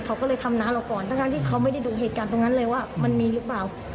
เขาก็เลยทำน้าเราก่อนทั้งที่เขาไม่ได้ดูเหตุการณ์ตรงนั้นเลยว่ามันมีหรือเปล่า